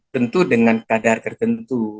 tentu dengan kadar tertentu